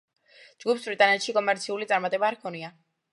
ჯგუფს ბრიტანეთში კომერციული წარმატება არ ჰქონია.